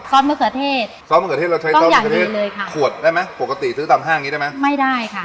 สมะเขือเทศซอสมะเขือเทศเราใช้ซอสมะเขือเทศเลยค่ะขวดได้ไหมปกติซื้อตามห้างนี้ได้ไหมไม่ได้ค่ะ